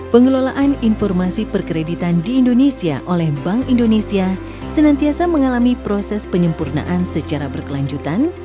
pengelolaan informasi perkreditan di indonesia oleh bank indonesia senantiasa mengalami proses penyempurnaan secara berkelanjutan